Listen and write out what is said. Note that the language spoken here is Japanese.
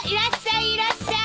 いらっしゃい！